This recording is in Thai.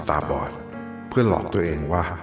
ทำให้ทุกคนต้องให้ถึงเรานี่แม้อ่ะ